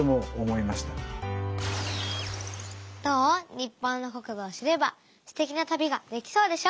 日本の国土を知ればステキな旅ができそうでしょ。